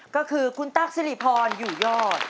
ก็คือคุณตั๊กสิริพรอยู่ยอด